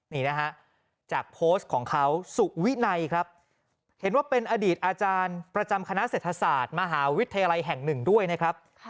นี่นะฮะจากโพสต์ของเขาสุวินัยครับเห็นว่าเป็นอดีตอาจารย์ประจำคณะเศรษฐศาสตร์มหาวิทยาลัยแห่งหนึ่งด้วยนะครับ